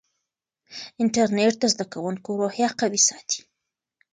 انټرنیټ د زده کوونکو روحیه قوي ساتي.